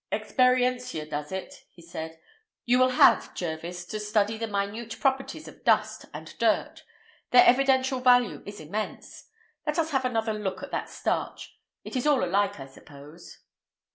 "Experientia does it," said he. "You will have, Jervis, to study the minute properties of dust and dirt. Their evidential value is immense. Let us have another look at that starch; it is all alike, I suppose."